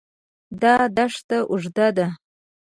دا دښت اوږده ده.